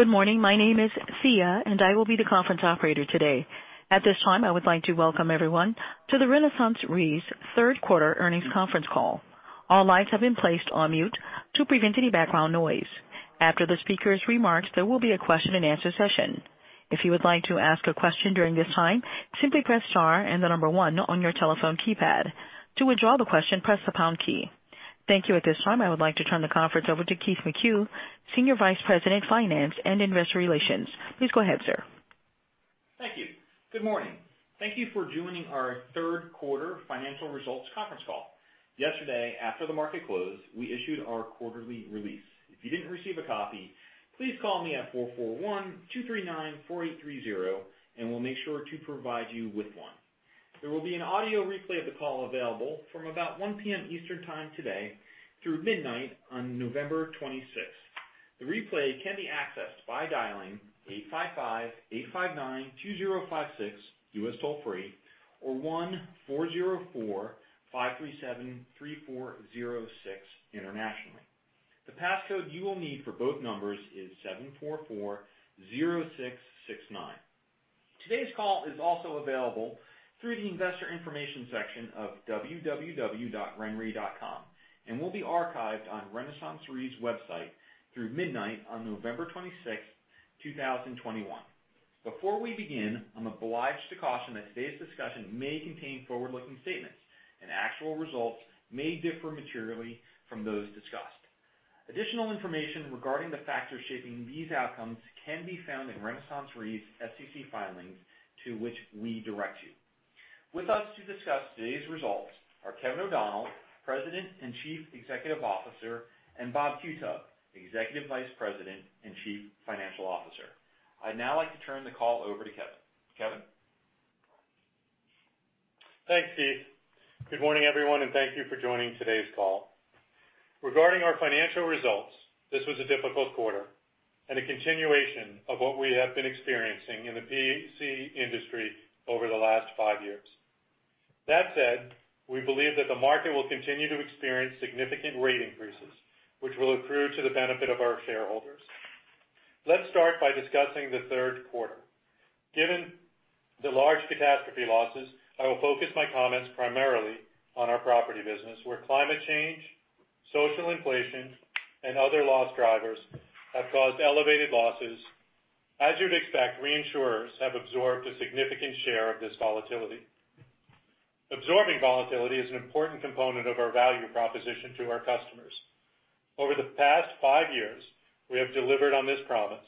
Good morning. My name is Thea, and I will be the conference operator today. At this time, I would like to welcome everyone to the RenaissanceRe's third quarter earnings conference call. All lines have been placed on mute to prevent any background noise. After the speaker's remarks, there will be a question-and-answer session. If you would like to ask a question during this time, simply press star and the number one on your telephone keypad. To withdraw the question, press the pound key. Thank you. At this time, I would like to turn the conference over to Keith McCue, Senior Vice President, Finance & Investor Relations. Please go ahead, sir. Thank you. Good morning. Thank you for joining our third quarter financial results conference call. Yesterday, after the market closed, we issued our quarterly release. If you didn't receive a copy, please call me at 441-239-4830, and we'll make sure to provide you with one. There will be an audio replay of the call available from about 1 P.M. Eastern time today through midnight on November 26th. The replay can be accessed by dialing 855-859-2056, U.S. toll-free, or 1-404-537-3406 internationally. The pass code you will need for both numbers is 7440669. Today's call is also available through the investor information section of www.renre.com and will be archived on RenaissanceRe's website through midnight on November twenty-sixth, two thousand twenty-one. Before we begin, I'm obliged to caution that today's discussion may contain forward-looking statements and actual results may differ materially from those discussed. Additional information regarding the factors shaping these outcomes can be found in RenaissanceRe's SEC filings to which we direct you. With us to discuss today's results are Kevin O'Donnell, President and Chief Executive Officer, and Bob Qutub, Executive Vice President and Chief Financial Officer. I'd now like to turn the call over to Kevin. Kevin? Thanks, Keith. Good morning, everyone, and thank you for joining today's call. Regarding our financial results, this was a difficult quarter and a continuation of what we have been experiencing in the P&C industry over the last five years. That said, we believe that the market will continue to experience significant rate increases, which will accrue to the benefit of our shareholders. Let's start by discussing the third quarter. Given the large catastrophe losses, I will focus my comments primarily on our property business, where climate change, social inflation, and other loss drivers have caused elevated losses. As you'd expect, reinsurers have absorbed a significant share of this volatility. Absorbing volatility is an important component of our value proposition to our customers. Over the past five years, we have delivered on this promise.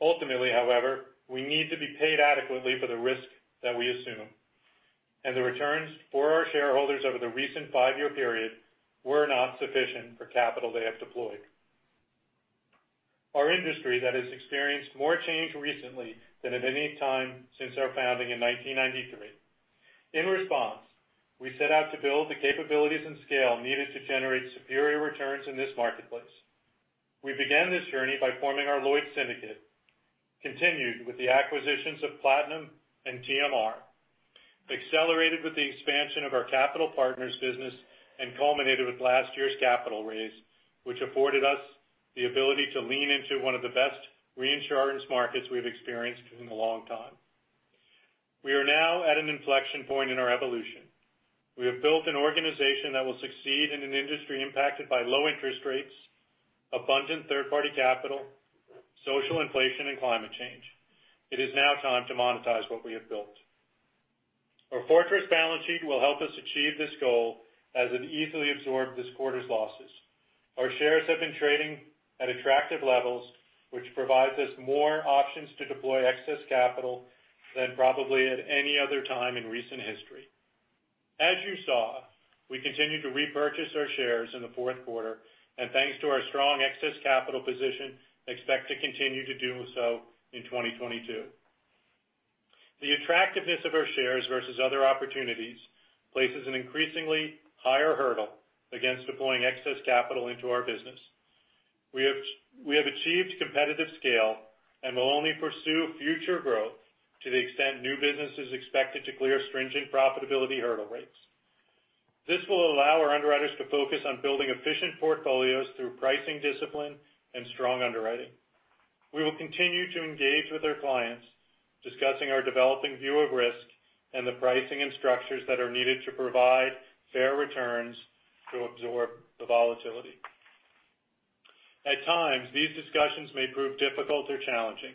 Ultimately, however, we need to be paid adequately for the risk that we assume, and the returns for our shareholders over the recent five-year period were not sufficient for capital they have deployed. Our industry has experienced more change recently than at any time since our founding in 1993. In response, we set out to build the capabilities and scale needed to generate superior returns in this marketplace. We began this journey by forming our Lloyd's Syndicate, continued with the acquisitions of Platinum and TMR, accelerated with the expansion of our capital partners business, and culminated with last year's capital raise, which afforded us the ability to lean into one of the best reinsurance markets we've experienced in a long time. We are now at an inflection point in our evolution. We have built an organization that will succeed in an industry impacted by low interest rates, abundant third-party capital, social inflation, and climate change. It is now time to monetize what we have built. Our fortress balance sheet will help us achieve this goal as it easily absorbed this quarter's losses. Our shares have been trading at attractive levels, which provides us more options to deploy excess capital than probably at any other time in recent history. As you saw, we continued to repurchase our shares in the fourth quarter, and thanks to our strong excess capital position, expect to continue to do so in 2022. The attractiveness of our shares versus other opportunities places an increasingly higher hurdle against deploying excess capital into our business. We have achieved competitive scale and will only pursue future growth to the extent new business is expected to clear stringent profitability hurdle rates. This will allow our underwriters to focus on building efficient portfolios through pricing discipline and strong underwriting. We will continue to engage with our clients, discussing our developing view of risk and the pricing and structures that are needed to provide fair returns to absorb the volatility. At times, these discussions may prove difficult or challenging.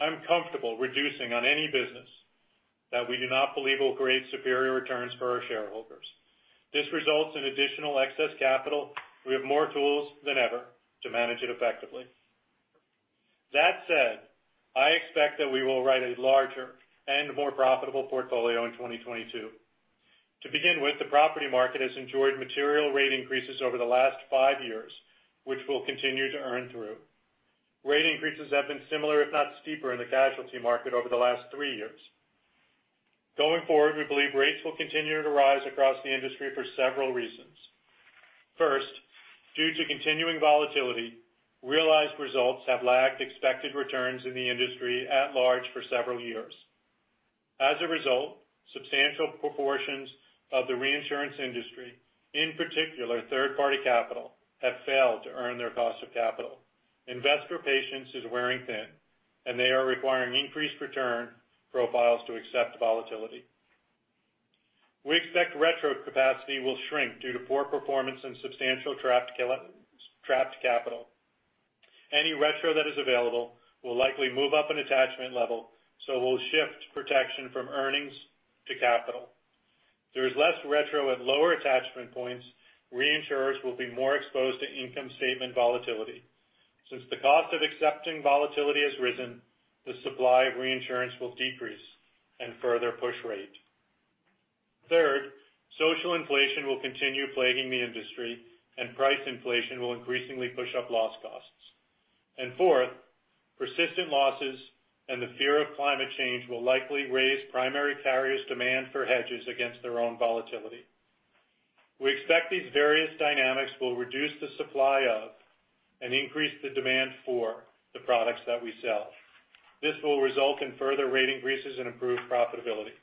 I'm comfortable reducing on any business that we do not believe will create superior returns for our shareholders. This results in additional excess capital. We have more tools than ever to manage it effectively. That said, I expect that we will write a larger and more profitable portfolio in 2022. To begin with, the property market has enjoyed material rate increases over the last five years, which we'll continue to earn through. Rate increases have been similar, if not steeper in the casualty market over the last three years. Going forward, we believe rates will continue to rise across the industry for several reasons. First, due to continuing volatility, realized results have lagged expected returns in the industry at large for several years. As a result, substantial proportions of the reinsurance industry, in particular third-party capital, have failed to earn their cost of capital. Investor patience is wearing thin, and they are requiring increased return profiles to accept volatility. We expect retro capacity will shrink due to poor performance and substantial trapped capital. Any retro that is available will likely move up an attachment level, so will shift protection from earnings to capital. There is less retro at lower attachment points. Reinsurers will be more exposed to income statement volatility. Since the cost of accepting volatility has risen, the supply of reinsurance will decrease and further push rate. Third, social inflation will continue plaguing the industry and price inflation will increasingly push up loss costs. Fourth, persistent losses and the fear of climate change will likely raise primary carriers' demand for hedges against their own volatility. We expect these various dynamics will reduce the supply of and increase the demand for the products that we sell. This will result in further rate increases and improved profitability.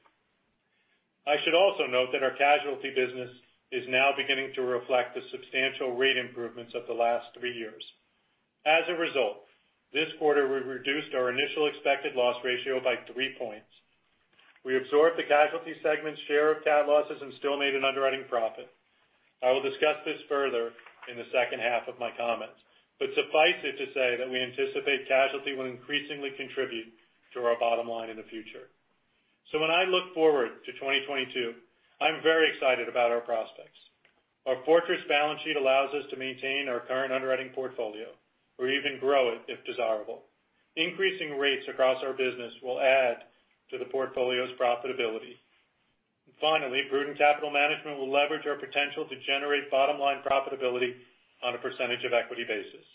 I should also note that our casualty business is now beginning to reflect the substantial rate improvements of the last three years. As a result, this quarter we reduced our initial expected loss ratio by three points. We absorbed the casualty segment's share of cat losses and still made an underwriting profit. I will discuss this further in the second half of my comments, but suffice it to say that we anticipate casualty will increasingly contribute to our bottom line in the future. When I look forward to 2022, I'm very excited about our prospects. Our fortress balance sheet allows us to maintain our current underwriting portfolio or even grow it if desirable. Increasing rates across our business will add to the portfolio's profitability. Finally, prudent capital management will leverage our potential to generate bottom-line profitability on a percentage of equity basis.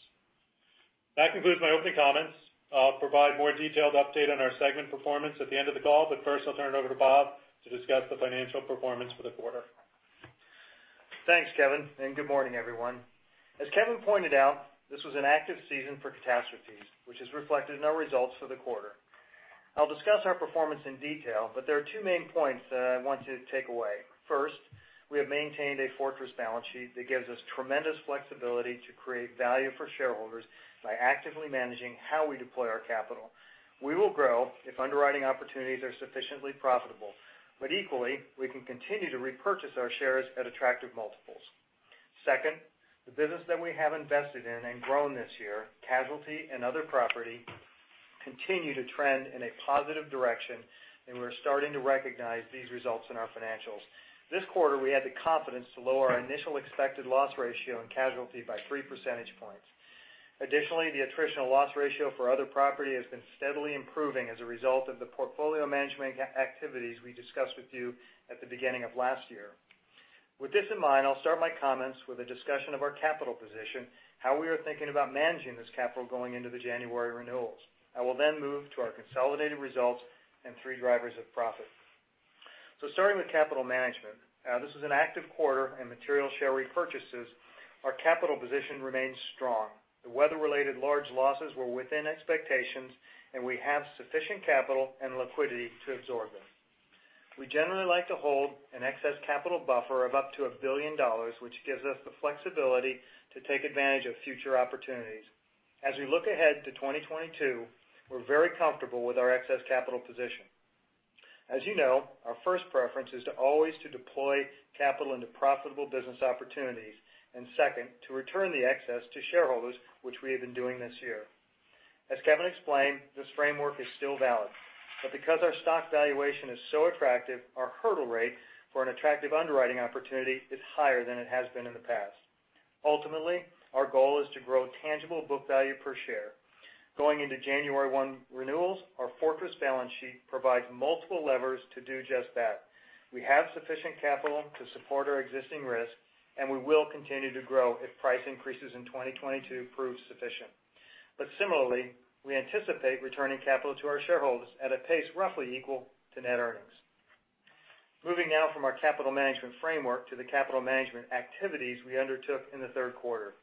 That concludes my opening comments. I'll provide more detailed update on our segment performance at the end of the call, but first, I'll turn it over to Bob to discuss the financial performance for the quarter. Thanks, Kevin, and good morning, everyone. As Kevin pointed out, this was an active season for catastrophes, which is reflected in our results for the quarter. I'll discuss our performance in detail, but there are two main points that I want you to take away. First, we have maintained a fortress balance sheet that gives us tremendous flexibility to create value for shareholders by actively managing how we deploy our capital. We will grow if underwriting opportunities are sufficiently profitable, but equally, we can continue to repurchase our shares at attractive multiples. Second, the business that we have invested in and grown this year, casualty and other property, continue to trend in a positive direction, and we're starting to recognize these results in our financials. This quarter, we had the confidence to lower our initial expected loss ratio in casualty by 3 percentage points. Additionally, the attritional loss ratio for other property has been steadily improving as a result of the portfolio management activities we discussed with you at the beginning of last year. With this in mind, I'll start my comments with a discussion of our capital position, how we are thinking about managing this capital going into the January renewals. I will then move to our consolidated results and three drivers of profit. Starting with capital management, this is an active quarter in material share repurchases. Our capital position remains strong. The weather-related large losses were within expectations, and we have sufficient capital and liquidity to absorb them. We generally like to hold an excess capital buffer of up to $1 billion, which gives us the flexibility to take advantage of future opportunities. As we look ahead to 2022, we're very comfortable with our excess capital position. As you know, our first preference is always to deploy capital into profitable business opportunities, and second, to return the excess to shareholders, which we have been doing this year. As Kevin explained, this framework is still valid, but because our stock valuation is so attractive, our hurdle rate for an attractive underwriting opportunity is higher than it has been in the past. Ultimately, our goal is to grow tangible book value per share. Going into January 1 renewals, our fortress balance sheet provides multiple levers to do just that. We have sufficient capital to support our existing risk, and we will continue to grow if price increases in 2022 prove sufficient. Similarly, we anticipate returning capital to our shareholders at a pace roughly equal to net earnings. Moving now from our capital management framework to the capital management activities we undertook in the third quarter.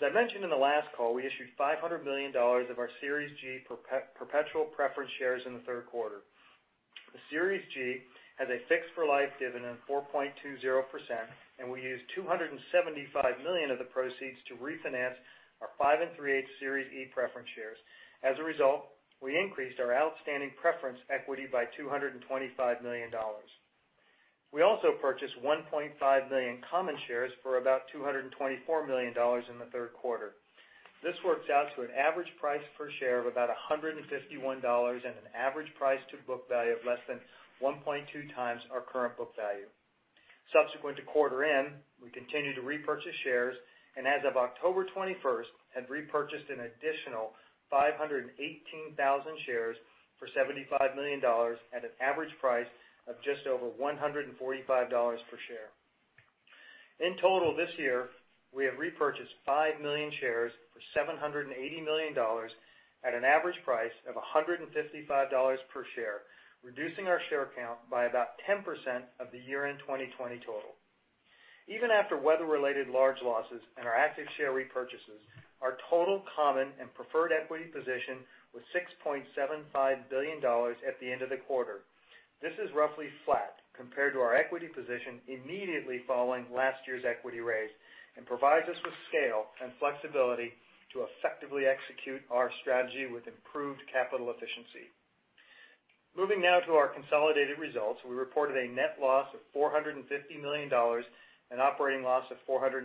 As I mentioned in the last call, we issued $500 million of our Series G perpetual preference shares in the third quarter. The Series G has a fixed for life dividend of 4.20%, and we used $275 million of the proceeds to refinance our 5 3/8 Series E preference shares. As a result, we increased our outstanding preference equity by $225 million. We also purchased 1.5 million common shares for about $224 million in the third quarter. This works out to an average price per share of about $151 and an average price to book value of less than 1.2 times our current book value. Subsequent to quarter end, we continued to repurchase shares, and as of October 21, had repurchased an additional 518,000 shares for $75 million at an average price of just over $145 per share. In total this year, we have repurchased five million shares for $780 million at an average price of $155 per share, reducing our share count by about 10% of the year-end 2020 total. Even after weather related large losses and our active share repurchases, our total common and preferred equity position was $6.75 billion at the end of the quarter. This is roughly flat compared to our equity position immediately following last year's equity raise and provides us with scale and flexibility to effectively execute our strategy with improved capital efficiency. Moving now to our consolidated results, we reported a net loss of $450 million and an operating loss of $415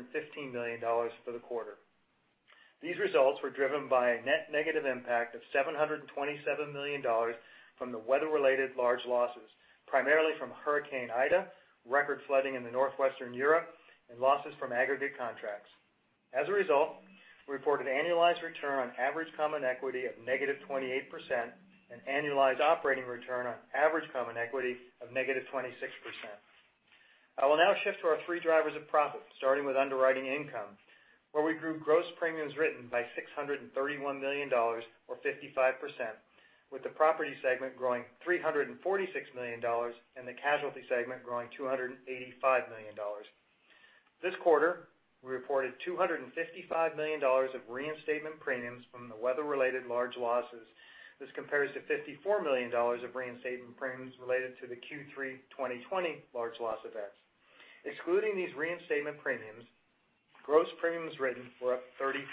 million for the quarter. These results were driven by a net negative impact of $727 million from the weather-related large losses, primarily from Hurricane Ida, record flooding in northwestern Europe, and losses from aggregate contracts. As a result, we reported annualized return on average common equity of -28% and annualized operating return on average common equity of -26%. I will now shift to our three drivers of profit, starting with underwriting income, where we grew gross premiums written by $631 million or 55%, with the property segment growing $346 million and the casualty segment growing $285 million. This quarter, we reported $255 million of reinstatement premiums from the weather-related large losses. This compares to $54 million of reinstatement premiums related to the Q3 2020 large loss events. Excluding these reinstatement premiums, gross premiums written were up 39%.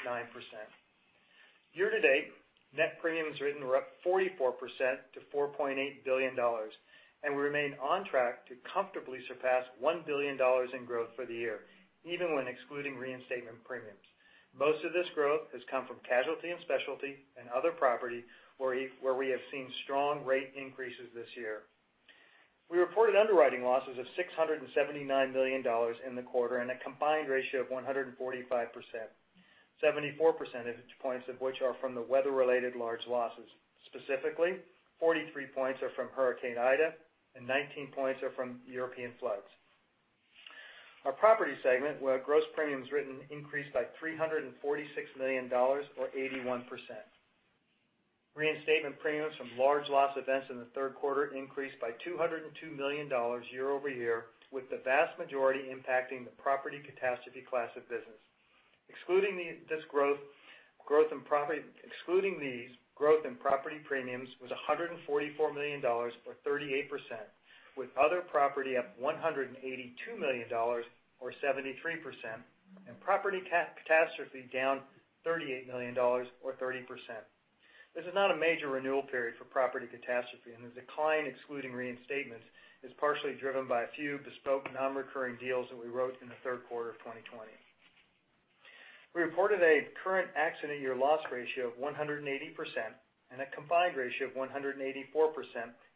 Year to date, net premiums written were up 44% to $4.8 billion, and we remain on track to comfortably surpass $1 billion in growth for the year, even when excluding reinstatement premiums. Most of this growth has come from casualty and specialty and other property, where we have seen strong rate increases this year. We reported underwriting losses of $679 million in the quarter and a combined ratio of 145%. 74 percentage points of which are from the weather-related large losses. Specifically, 43 points are from Hurricane Ida and 19 points are from European floods. Our property segment where gross premiums written increased by $346 million or 81%. Reinstatement premiums from large loss events in the third quarter increased by $202 million year-over-year, with the vast majority impacting the property catastrophe class of business. Excluding these, growth in property premiums was $144 million or 38%, with other property up $182 million or 73%, and property catastrophe down $38 million or 30%. This is not a major renewal period for property catastrophe, and the decline, excluding reinstatements, is partially driven by a few bespoke non-recurring deals that we wrote in the third quarter of 2020. We reported a current accident year loss ratio of 180% and a combined ratio of 184%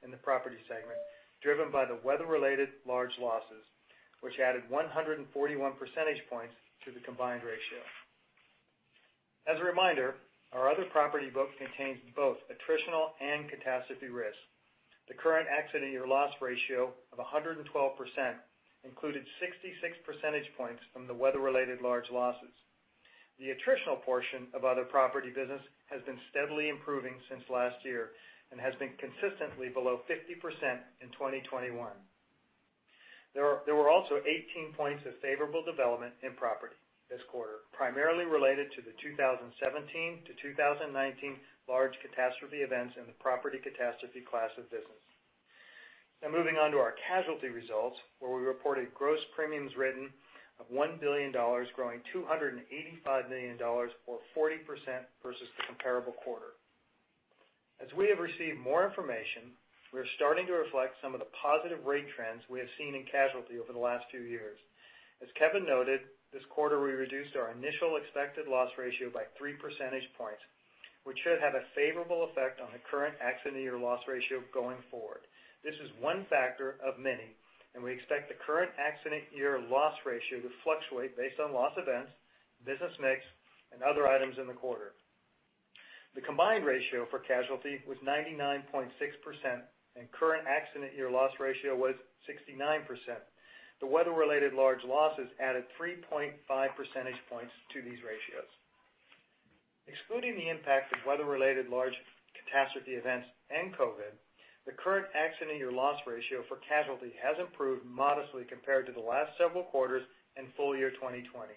in the property segment, driven by the weather-related large losses, which added 141 percentage points to the combined ratio. As a reminder, our other property book contains both attritional and catastrophe risk. The current accident year loss ratio of 112% included 66 percentage points from the weather-related large losses. The attritional portion of other property business has been steadily improving since last year and has been consistently below 50% in 2021. There were also 18 points of favorable development in property this quarter, primarily related to the 2017-2019 large catastrophe events in the property catastrophe class of business. Now moving on to our casualty results, where we reported gross premiums written of $1 billion, growing $285 million or 40% versus the comparable quarter. As we have received more information, we are starting to reflect some of the positive rate trends we have seen in casualty over the last two years. As Kevin noted, this quarter, we reduced our initial expected loss ratio by three percentage points, which should have a favorable effect on the current accident year loss ratio going forward. This is one factor of many, and we expect the current accident year loss ratio to fluctuate based on loss events, business mix, and other items in the quarter. The combined ratio for casualty was 99.6%, and current accident year loss ratio was 69%. The weather-related large losses added 3.5 percentage points to these ratios. Excluding the impact of weather-related large catastrophe events and COVID, the current accident year loss ratio for casualty has improved modestly compared to the last several quarters and full year 2020.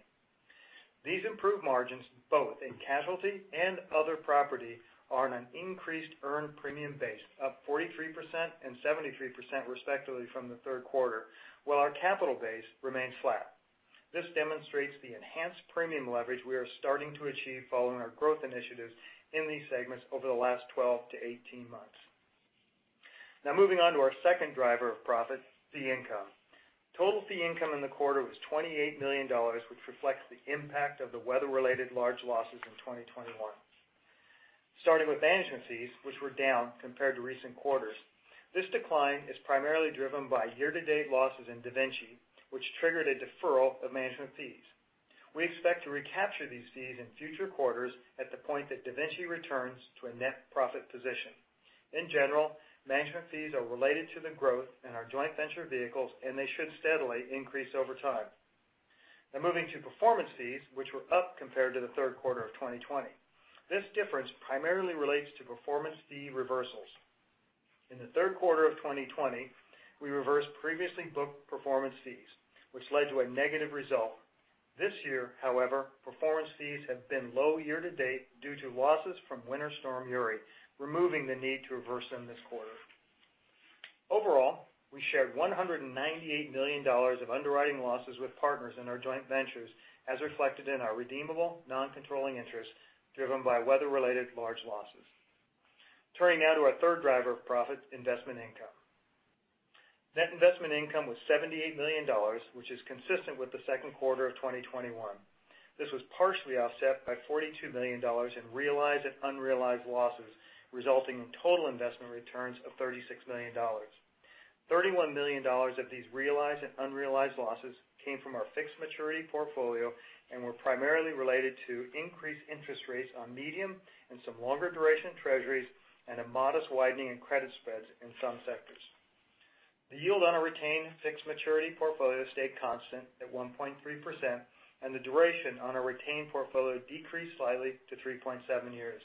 These improved margins, both in casualty and other property, are on an increased earned premium base, up 43% and 73% respectively from the third quarter, while our capital base remains flat. This demonstrates the enhanced premium leverage we are starting to achieve following our growth initiatives in these segments over the last 12-18 months. Now, moving on to our second driver of profit, fee income. Total fee income in the quarter was $28 million, which reflects the impact of the weather-related large losses in 2021. Starting with management fees, which were down compared to recent quarters. This decline is primarily driven by year-to-date losses in DaVinci, which triggered a deferral of management fees. We expect to recapture these fees in future quarters at the point that DaVinci returns to a net profit position. In general, management fees are related to the growth in our joint venture vehicles, and they should steadily increase over time. Now moving to performance fees, which were up compared to the third quarter of 2020. This difference primarily relates to performance fee reversals. In the third quarter of 2020, we reversed previously booked performance fees, which led to a negative result. This year, however, performance fees have been low year to date due to losses from Winter Storm Uri, removing the need to reverse them this quarter. Overall, we shared $198 million of underwriting losses with partners in our joint ventures, as reflected in our redeemable non-controlling interest driven by weather-related large losses. Turning now to our third driver of profit, investment income. Net investment income was $78 million, which is consistent with the second quarter of 2021. This was partially offset by $42 million in realized and unrealized losses, resulting in total investment returns of $36 million. $31 million of these realized and unrealized losses came from our fixed maturity portfolio and were primarily related to increased interest rates on medium and some longer duration Treasuries and a modest widening in credit spreads in some sectors. The yield on our retained fixed maturity portfolio stayed constant at 1.3%, and the duration on our retained portfolio decreased slightly to 3.7 years.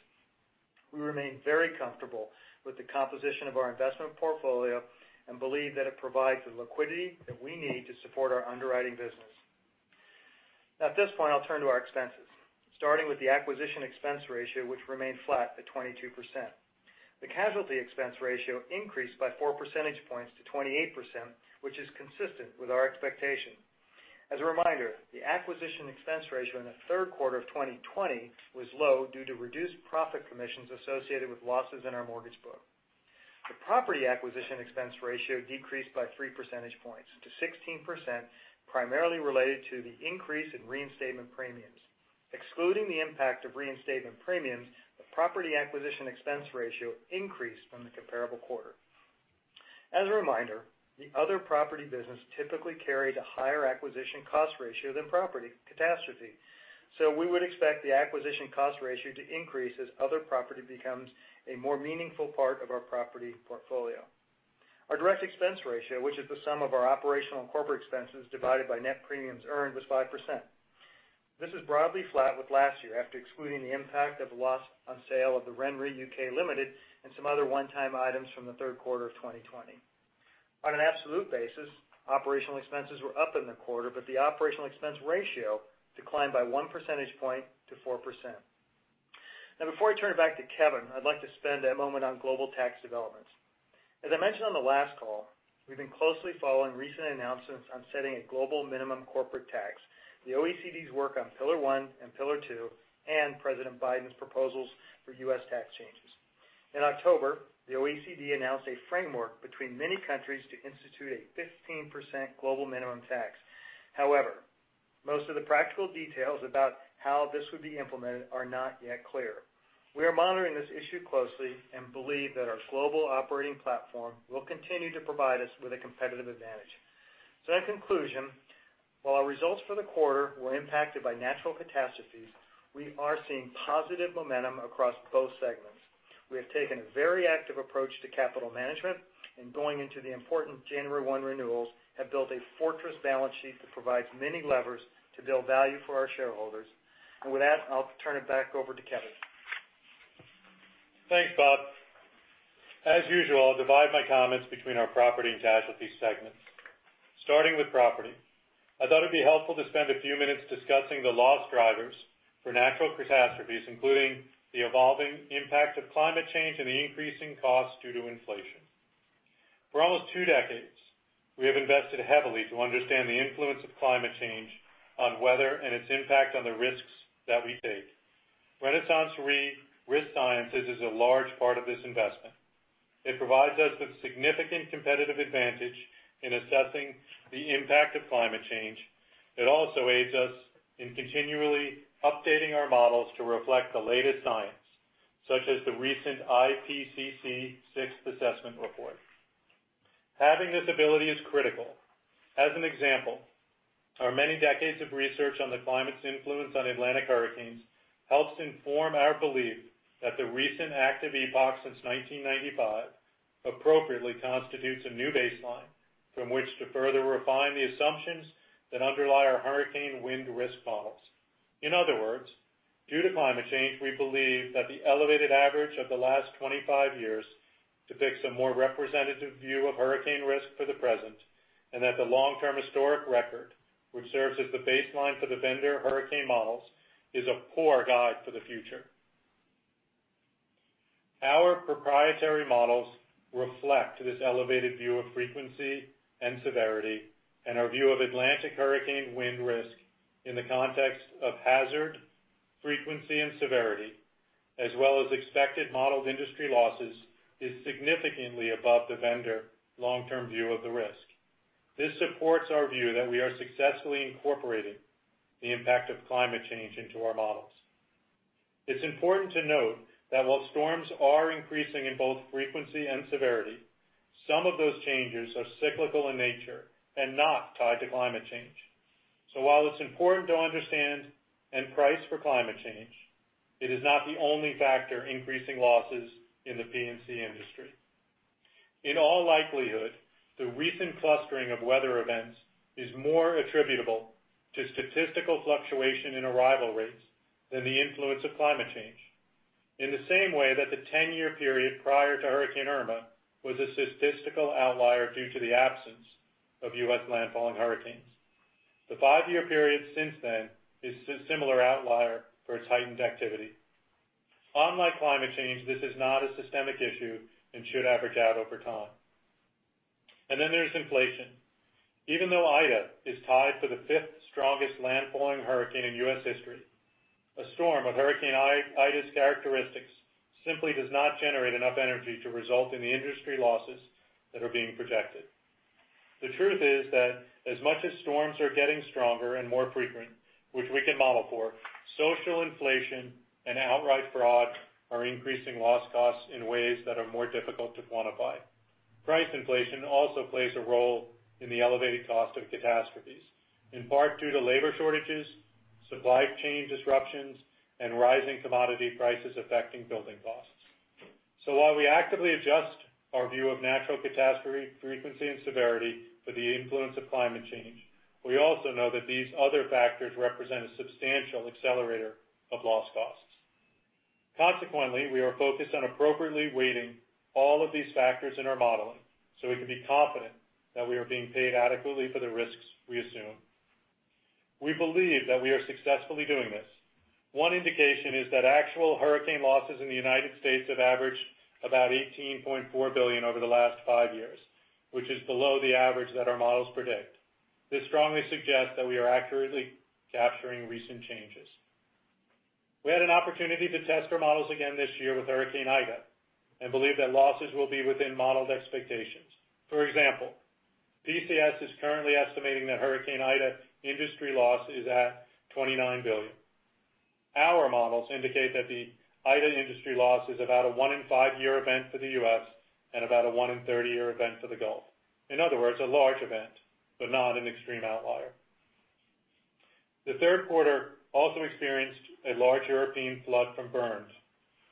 We remain very comfortable with the composition of our investment portfolio and believe that it provides the liquidity that we need to support our underwriting business. Now at this point, I'll turn to our expenses, starting with the acquisition expense ratio, which remained flat at 22%. The casualty expense ratio increased by 4 percentage points to 28%, which is consistent with our expectation. As a reminder, the acquisition expense ratio in the third quarter of 2020 was low due to reduced profit commissions associated with losses in our mortgage book. The property acquisition expense ratio decreased by 3 percentage points to 16%, primarily related to the increase in reinstatement premiums. Excluding the impact of reinstatement premiums, the property acquisition expense ratio increased from the comparable quarter. As a reminder, the other property business typically carried a higher acquisition cost ratio than property catastrophe. We would expect the acquisition cost ratio to increase as other property becomes a more meaningful part of our property portfolio. Our direct expense ratio, which is the sum of our operational and corporate expenses divided by net premiums earned, was 5%. This is broadly flat with last year, after excluding the impact of loss on sale of the RenaissanceRe (UK) Limited and some other one-time items from the third quarter of 2020. On an absolute basis, operational expenses were up in the quarter, but the operational expense ratio declined by one percentage point to 4%. Now before I turn it back to Kevin, I'd like to spend a moment on global tax developments. As I mentioned on the last call, we've been closely following recent announcements on setting a global minimum corporate tax, the OECD's work on Pillar One and Pillar Two, and President Biden's proposals for US tax changes. In October, the OECD announced a framework between many countries to institute a 15% global minimum tax. However, most of the practical details about how this would be implemented are not yet clear. We are monitoring this issue closely and believe that our global operating platform will continue to provide us with a competitive advantage. In conclusion, while our results for the quarter were impacted by natural catastrophes, we are seeing positive momentum across both segments. We have taken a very active approach to capital management and going into the important January 1 renewals have built a fortress balance sheet that provides many levers to build value for our shareholders. With that, I'll turn it back over to Kevin. Thanks, Bob. As usual, I'll divide my comments between our property and casualty segments. Starting with property, I thought it'd be helpful to spend a few minutes discussing the loss drivers for natural catastrophes, including the evolving impact of climate change and the increasing costs due to inflation. For almost two decades, we have invested heavily to understand the influence of climate change on weather and its impact on the risks that we take. RenaissanceRe Risk Sciences is a large part of this investment. It provides us with significant competitive advantage in assessing the impact of climate change. It also aids us in continually updating our models to reflect the latest science, such as the recent IPCC Sixth Assessment Report. Having this ability is critical. As an example, our many decades of research on the climate's influence on Atlantic hurricanes helps inform our belief that the recent active epoch since 1995 appropriately constitutes a new baseline from which to further refine the assumptions that underlie our hurricane wind risk models. In other words, due to climate change, we believe that the elevated average of the last 25 years depicts a more representative view of hurricane risk for the present, and that the long-term historic record, which serves as the baseline for the vendor hurricane models, is a poor guide for the future. Our proprietary models reflect this elevated view of frequency and severity, and our view of Atlantic hurricane wind risk in the context of hazard, frequency, and severity, as well as expected modeled industry losses, is significantly above the vendor long-term view of the risk. This supports our view that we are successfully incorporating the impact of climate change into our models. It's important to note that while storms are increasing in both frequency and severity, some of those changes are cyclical in nature and not tied to climate change. While it's important to understand and price for climate change, it is not the only factor increasing losses in the P&C industry. In all likelihood, the recent clustering of weather events is more attributable to statistical fluctuation in arrival rates than the influence of climate change. In the same way that the 10-year period prior to Hurricane Irma was a statistical outlier due to the absence of U.S. landfalling hurricanes. The five-year period since then is similar outlier for its heightened activity. Unlike climate change, this is not a systemic issue and should average out over time. Then there's inflation. Even though Ida is tied for the fifth strongest landfalling hurricane in U.S. history, a storm of Hurricane Ida's characteristics simply does not generate enough energy to result in the industry losses that are being projected. The truth is that as much as storms are getting stronger and more frequent, which we can model for, social inflation and outright fraud are increasing loss costs in ways that are more difficult to quantify. Price inflation also plays a role in the elevated cost of catastrophes, in part due to labor shortages, supply chain disruptions, and rising commodity prices affecting building costs. While we actively adjust our view of natural catastrophe frequency and severity for the influence of climate change, we also know that these other factors represent a substantial accelerator of loss costs. Consequently, we are focused on appropriately weighting all of these factors in our modeling, so we can be confident that we are being paid adequately for the risks we assume. We believe that we are successfully doing this. One indication is that actual hurricane losses in the United States have averaged about $18.4 billion over the last five years, which is below the average that our models predict. This strongly suggests that we are accurately capturing recent changes. We had an opportunity to test our models again this year with Hurricane Ida and believe that losses will be within modeled expectations. For example, PCS is currently estimating that Hurricane Ida industry loss is at $29 billion. Our models indicate that the Ida industry loss is about a one in five-year event for the U.S. and about a one in 30-year event for the Gulf. In other words, a large event, but not an extreme outlier. The third quarter also experienced a large European flood from Bernd,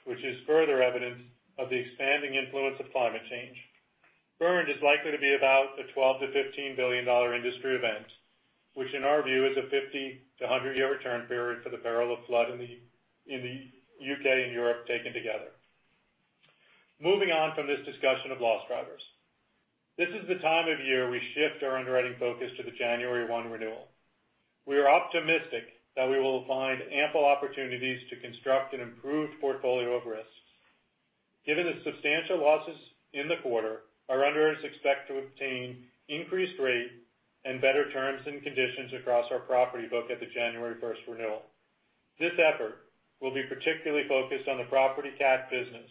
which is further evidence of the expanding influence of climate change. Bernd is likely to be about a $12 billion-$15 billion industry event, which in our view is a 50- to 100-year return period for the peril of flood in the U.K. and Europe taken together. Moving on from this discussion of loss drivers. This is the time of year we shift our underwriting focus to the January 1 renewal. We are optimistic that we will find ample opportunities to construct an improved portfolio of risks. Given the substantial losses in the quarter, our underwriters expect to obtain increased rate and better terms and conditions across our property book at the January 1 renewal. This effort will be particularly focused on the property cat business,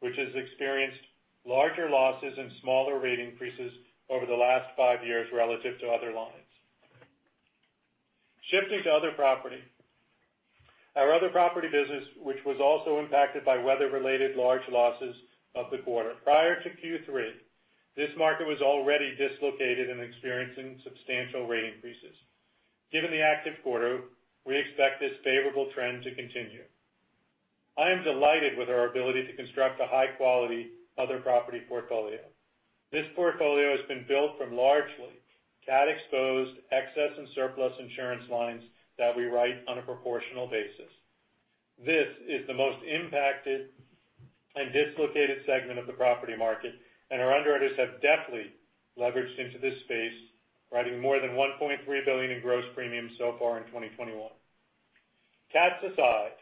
which has experienced larger losses and smaller rate increases over the last five years relative to other lines. Shifting to other property. Our other property business, which was also impacted by weather-related large losses of the quarter. Prior to Q3, this market was already dislocated and experiencing substantial rate increases. Given the active quarter, we expect this favorable trend to continue. I am delighted with our ability to construct a high-quality other property portfolio. This portfolio has been built from largely cat-exposed excess and surplus insurance lines that we write on a proportional basis. This is the most impacted and dislocated segment of the property market, and our underwriters have deftly leveraged into this space, writing more than $1.3 billion in gross premiums so far in 2021. Cats aside,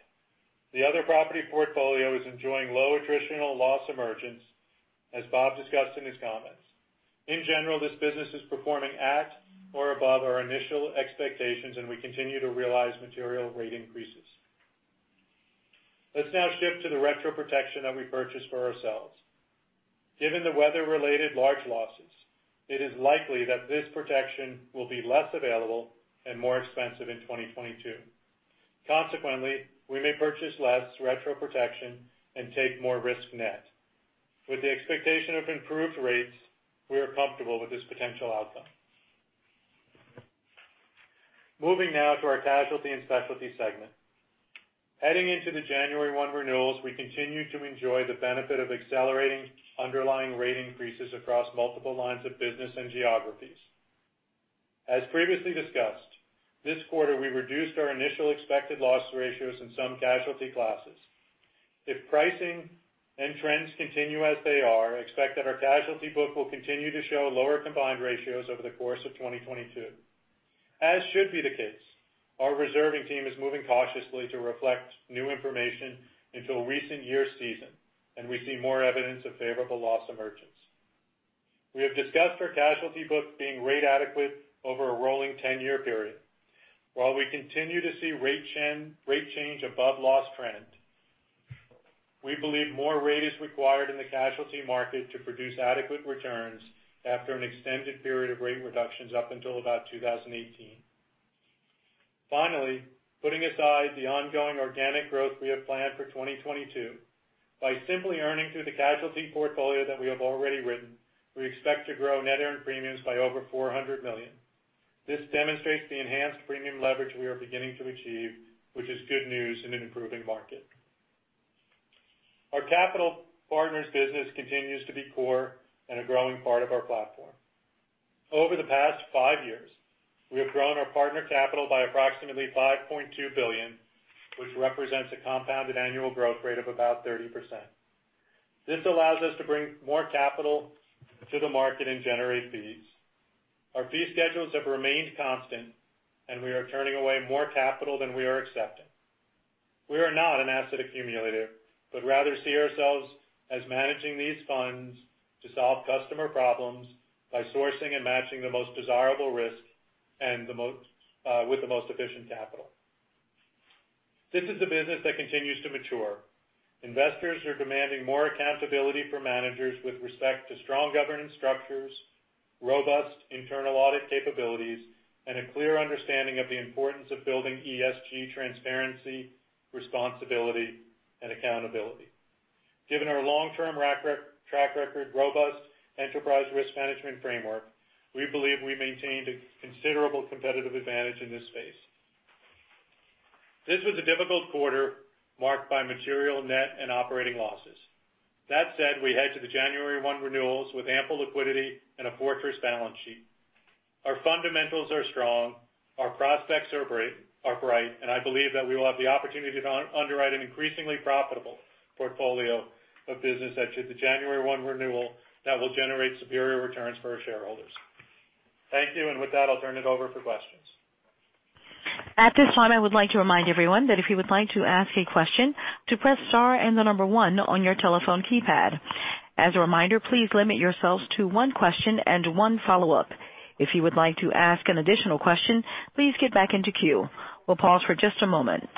the other property portfolio is enjoying low attritional loss emergence, as Bob discussed in his comments. In general, this business is performing at or above our initial expectations, and we continue to realize material rate increases. Let's now shift to the retro protection that we purchased for ourselves. Given the weather-related large losses, it is likely that this protection will be less available and more expensive in 2022. Consequently, we may purchase less retro protection and take more risk net. With the expectation of improved rates, we are comfortable with this potential outcome. Moving now to our casualty and specialty segment. Heading into the January 1 renewals, we continue to enjoy the benefit of accelerating underlying rate increases across multiple lines of business and geographies. As previously discussed, this quarter we reduced our initial expected loss ratios in some casualty classes. If pricing and trends continue as they are, expect that our casualty book will continue to show lower combined ratios over the course of 2022. As should be the case, our reserving team is moving cautiously to reflect new information into a recent year's season, and we see more evidence of favorable loss emergence. We have discussed our casualty book being rate adequate over a rolling 10-year period. While we continue to see rate change above loss trend, we believe more rate is required in the casualty market to produce adequate returns after an extended period of rate reductions up until about 2018. Finally, putting aside the ongoing organic growth we have planned for 2022, by simply earning through the casualty portfolio that we have already written, we expect to grow net earned premiums by over $400 million. This demonstrates the enhanced premium leverage we are beginning to achieve, which is good news in an improving market. Our capital partners business continues to be core and a growing part of our platform. Over the past five years, we have grown our partner capital by approximately $5.2 billion, which represents a compounded annual growth rate of about 30%. This allows us to bring more capital to the market and generate fees. Our fee schedules have remained constant, and we are turning away more capital than we are accepting. We are not an asset accumulator, but rather see ourselves as managing these funds to solve customer problems by sourcing and matching the most desirable risk with the most efficient capital. This is a business that continues to mature. Investors are demanding more accountability for managers with respect to strong governance structures, robust internal audit capabilities, and a clear understanding of the importance of building ESG transparency, responsibility, and accountability. Given our long-term track record robust enterprise risk management framework, we believe we maintained a considerable competitive advantage in this space. This was a difficult quarter marked by material net and operating losses. That said, we head to the January one renewals with ample liquidity and a fortress balance sheet. Our fundamentals are strong, our prospects are bright, and I believe that we will have the opportunity to underwrite an increasingly profitable portfolio of business at the January one renewal that will generate superior returns for our shareholders. Thank you, and with that, I'll turn it over for questions. At this time, I would like to remind everyone that if you would like to ask a question, to press star and the number one on your telephone keypad. As a reminder, please limit yourselves to one question and one follow-up. If you would like to ask an additional question, please get back into queue. We'll pause for just a moment.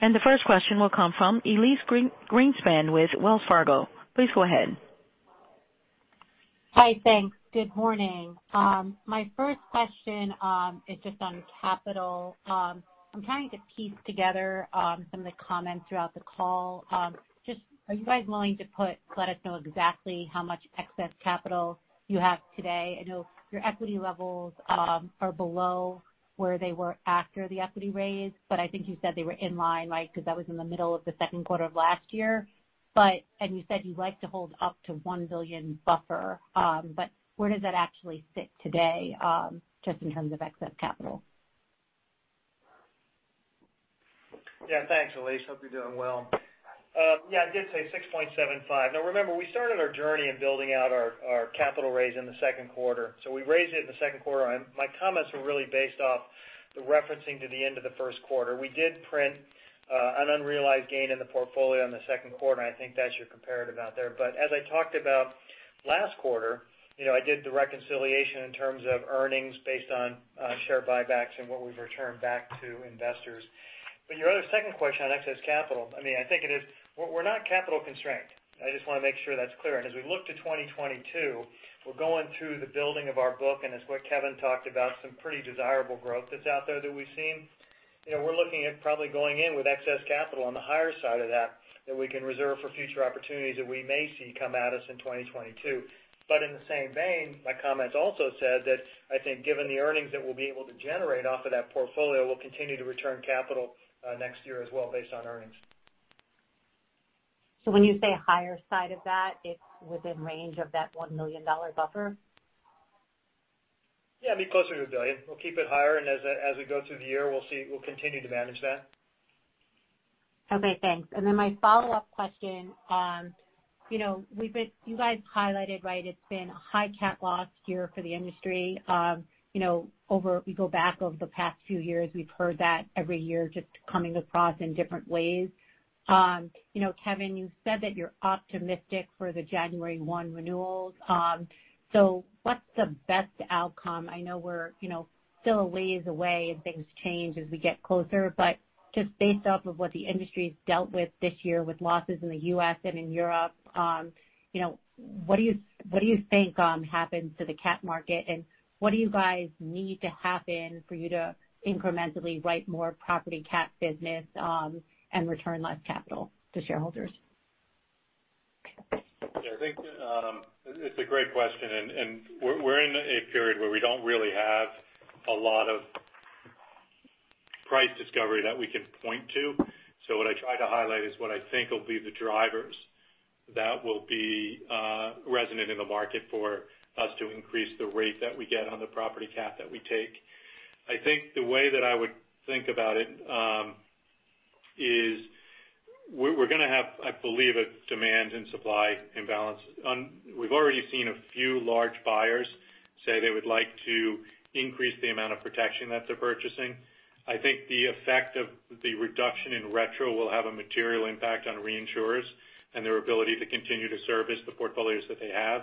The first question will come from Elyse Greenspan with Wells Fargo. Please go ahead. Hi. Thanks. Good morning. My first question is just on capital. I'm trying to piece together some of the comments throughout the call. Are you guys willing to let us know exactly how much excess capital you have today? I know your equity levels are below where they were after the equity raise, but I think you said they were in line, right? 'Cause that was in the middle of the second quarter of last year. You said you'd like to hold up to $1 billion buffer. Where does that actually sit today, just in terms of excess capital? Yeah, thanks, Elyse. Hope you're doing well. Yeah, I did say 6.75. Now remember, we started our journey in building out our capital raise in the second quarter, so we raised it in the second quarter. My comments were really based off the referencing to the end of the first quarter. We did print an unrealized gain in the portfolio in the second quarter, and I think that's your comparative out there. As I talked about last quarter, you know, I did the reconciliation in terms of earnings based on share buybacks and what we've returned back to investors. Your other second question on excess capital, I mean, I think it is. We're not capital constrained. I just wanna make sure that's clear. As we look to 2022, we're going through the building of our book, and it's what Kevin talked about, some pretty desirable growth that's out there that we've seen. You know, we're looking at probably going in with excess capital on the higher side of that we can reserve for future opportunities that we may see come at us in 2022. In the same vein, my comments also said that I think given the earnings that we'll be able to generate off of that portfolio, we'll continue to return capital, next year as well based on earnings. When you say higher side of that, it's within range of that $1 million buffer? Yeah, it'd be closer to $1 billion. We'll keep it higher, and as we go through the year, we'll see. We'll continue to manage that. Okay, thanks. My follow-up question, you know, you guys highlighted, right, it's been a high cat loss year for the industry. You know, if you go back over the past few years, we've heard that every year just coming across in different ways. You know, Kevin, you said that you're optimistic for the January 1 renewals. What's the best outcome? I know we're, you know, still a ways away and things change as we get closer, but just based off of what the industry's dealt with this year with losses in the U.S. and in Europe, you know, what do you think happens to the cat market, and what do you guys need to happen for you to incrementally write more property cat business, and return less capital to shareholders? Yeah. I think it's a great question, and we're in a period where we don't really have a lot of price discovery that we can point to. What I try to highlight is what I think will be the drivers that will be resonant in the market for us to increase the rate that we get on the property cat that we take. I think the way that I would think about it is we're gonna have, I believe, a demand and supply imbalance. We've already seen a few large buyers say they would like to increase the amount of protection that they're purchasing. I think the effect of the reduction in retro will have a material impact on reinsurers and their ability to continue to service the portfolios that they have.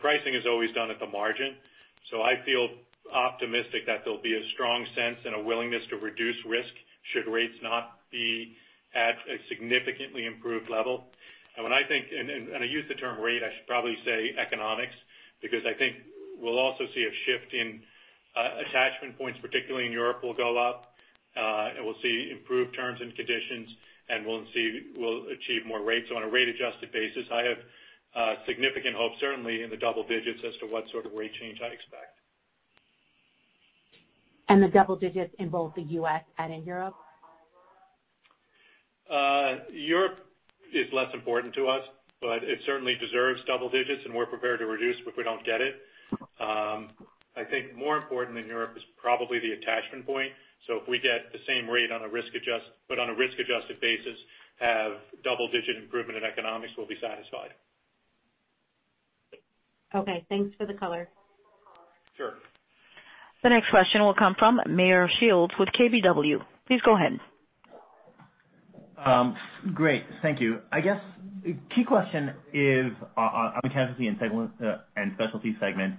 Pricing is always done at the margin, so I feel optimistic that there'll be a strong sense and a willingness to reduce risk should rates not be at a significantly improved level. When I think, and I use the term rate, I should probably say economics, because I think we'll also see a shift in attachment points, particularly in Europe, will go up, and we'll see improved terms and conditions, and we'll achieve more rates on a rate adjusted basis. I have significant hope, certainly in the double digits, as to what sort of rate change I expect. The double digits in both the U.S. and in Europe? Europe is less important to us, but it certainly deserves double digits, and we're prepared to reduce if we don't get it. I think more important than Europe is probably the attachment point. If we get the same rate on a risk-adjusted basis, have double-digit improvement in economics, we'll be satisfied. Okay. Thanks for the color. Sure. The next question will come from Meyer Shields with KBW. Please go ahead. Great. Thank you. I guess the key question is on casualty and specialty segment.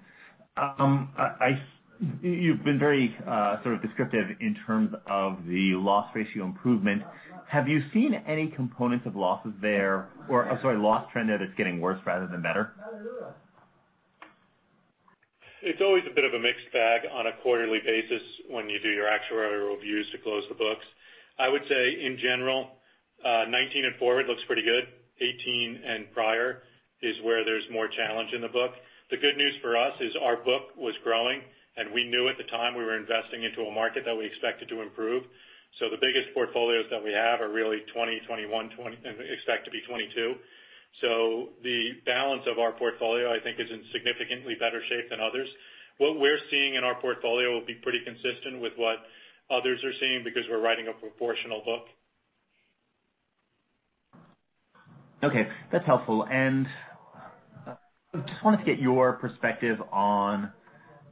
You've been very sort of descriptive in terms of the loss ratio improvement. Have you seen any components of losses there or, I'm sorry, loss trend that is getting worse rather than better? It's always a bit of a mixed bag on a quarterly basis when you do your actuarial reviews to close the books. I would say in general, 2019 and forward looks pretty good. 2018 and prior is where there's more challenge in the book. The good news for us is our book was growing, and we knew at the time we were investing into a market that we expected to improve. The biggest portfolios that we have are really 2020, 2021, 2020, and expect to be 2022. The balance of our portfolio, I think, is in significantly better shape than others. What we're seeing in our portfolio will be pretty consistent with what others are seeing because we're writing a proportional book. Okay. That's helpful. I just wanted to get your perspective on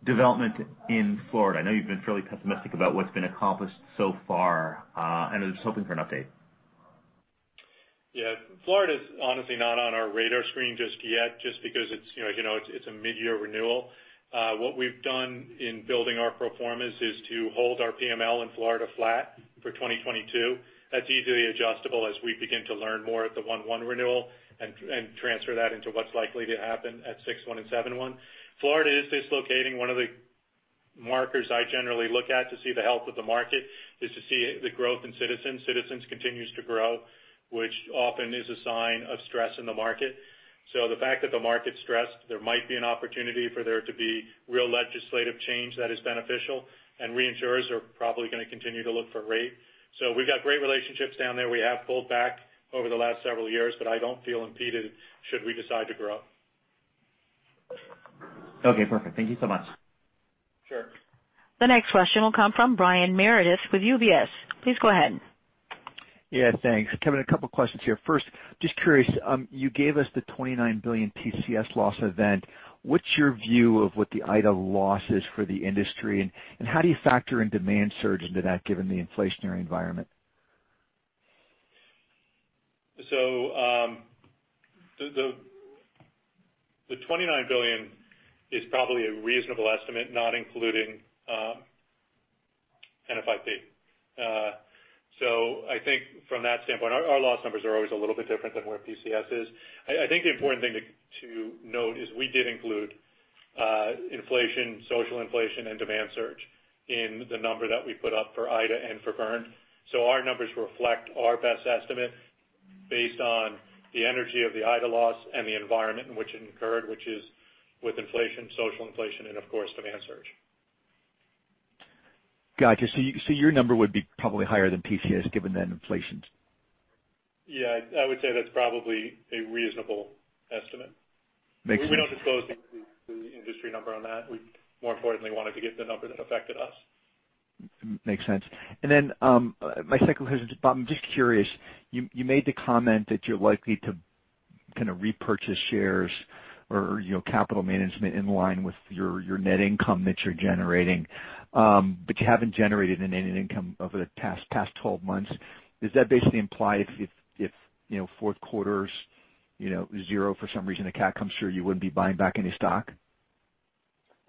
development in Florida. I know you've been fairly pessimistic about what's been accomplished so far, and I'm just hoping for an update. Yeah. Florida is honestly not on our radar screen just yet, just because it's, you know, it's a mid-year renewal. What we've done in building our pro formas is to hold our PML in Florida flat for 2022. That's easily adjustable as we begin to learn more at the 1/1 renewal and transfer that into what's likely to happen at 6/1 and 7/1. Florida dislocation. One of the markers I generally look at to see the health of the market is to see the growth in Citizens. Citizens continues to grow, which often is a sign of stress in the market. The fact that the market's stressed, there might be an opportunity for there to be real legislative change that is beneficial, and reinsurers are probably gonna continue to look for rate. We've got great relationships down there. We have pulled back over the last several years, but I don't feel impeded should we decide to grow. Okay, perfect. Thank you so much. Sure. The next question will come from Brian Meredith with UBS. Please go ahead. Yeah, thanks. Kevin, a couple questions here. First, just curious, you gave us the $29 billion PCS loss event. What's your view of what the IDA loss is for the industry, and how do you factor in demand surge into that given the inflationary environment? The $29 billion is probably a reasonable estimate, not including NFIP. I think from that standpoint, our loss numbers are always a little bit different than where PCS is. I think the important thing to note is we did include inflation, social inflation and demand surge in the number that we put up for Ida and for Bernd. Our numbers reflect our best estimate based on the energy of the Ida loss and the environment in which it incurred, which is with inflation, social inflation and of course, demand surge. Got you. Your number would be probably higher than PCS given that inflation. Yeah. I would say that's probably a reasonable estimate. Makes sense. We don't disclose the industry number on that. We more importantly wanted to get the number that affected us. Makes sense. My second question, Bob, I'm just curious, you made the comment that you're likely to kind of repurchase shares or, you know, capital management in line with your net income that you're generating. You haven't generated any net income over the past 12 months. Does that basically imply if you know, fourth quarter's, you know, zero for some reason, the cat comes through, you wouldn't be buying back any stock?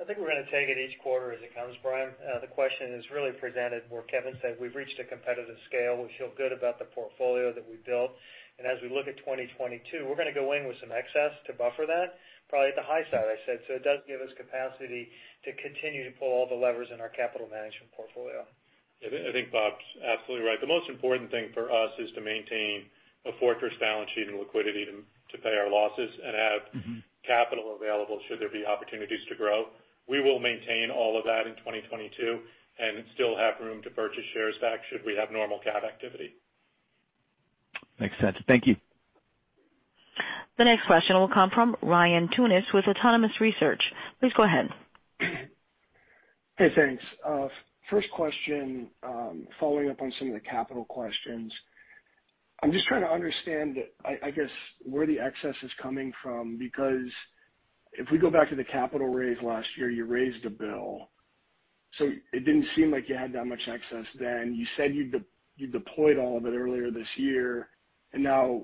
I think we're gonna take it each quarter as it comes, Brian. The question is really presented where Kevin said we've reached a competitive scale. We feel good about the portfolio that we built. As we look at 2022, we're gonna go in with some excess to buffer that, probably at the high side I said. It does give us capacity to continue to pull all the levers in our capital management portfolio. I think Bob's absolutely right. The most important thing for us is to maintain a fortress balance sheet and liquidity to pay our losses and have Mm-hmm. Capital available should there be opportunities to grow. We will maintain all of that in 2022 and still have room to purchase shares back should we have normal cat activity. Makes sense. Thank you. The next question will come from Ryan Tunis with Autonomous Research. Please go ahead. Hey, thanks. First question, following up on some of the capital questions. I'm just trying to understand, I guess, where the excess is coming from, because if we go back to the capital raise last year, you raised $1 billion, so it didn't seem like you had that much excess then. You said you deployed all of it earlier this year, and now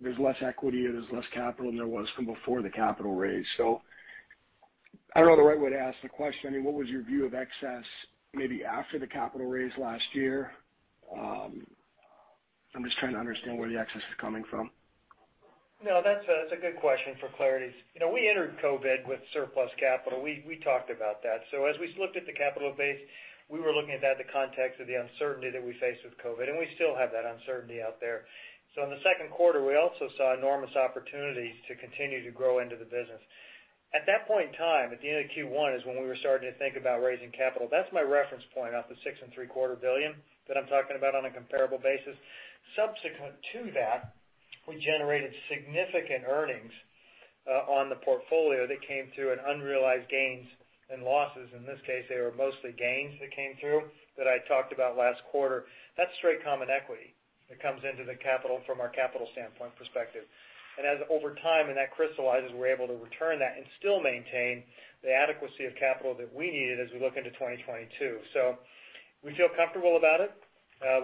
there's less equity and there's less capital than there was from before the capital raise. I don't know the right way to ask the question. I mean, what was your view of excess maybe after the capital raise last year? I'm just trying to understand where the excess is coming from. No, that's a good question for clarity's. You know, we entered COVID with surplus capital. We talked about that. As we looked at the capital base, we were looking at that in the context of the uncertainty that we face with COVID, and we still have that uncertainty out there. In the second quarter, we also saw enormous opportunities to continue to grow into the business. At that point in time, at the end of Q1 is when we were starting to think about raising capital. That's my reference point off the $6.75 billion that I'm talking about on a comparable basis. Subsequent to that, we generated significant earnings on the portfolio that came through in unrealized gains and losses. In this case, they were mostly gains that came through that I talked about last quarter. That's straight common equity that comes into the capital from our capital standpoint perspective. As over time and that crystallizes, we're able to return that and still maintain the adequacy of capital that we needed as we look into 2022. We feel comfortable about it.